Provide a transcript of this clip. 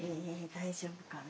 大丈夫かな？